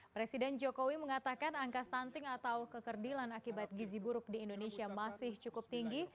presiden jokowi mengatakan angka stunting atau kekerdilan akibat gizi buruk di indonesia masih cukup tinggi